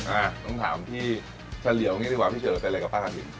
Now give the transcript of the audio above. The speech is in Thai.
อ่าต้องถามพี่เฉลี่ยวงี้ดีกว่าพี่เฉลี่ยเหลือแต่อะไรกับป้ากระถิ่น